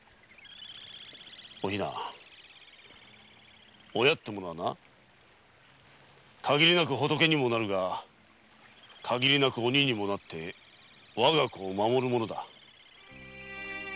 お比奈親ってものはなかぎりなく仏にもなるがかぎりなく鬼にもなって我が子を守るものだ。